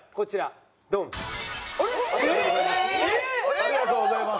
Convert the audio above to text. ありがとうございます。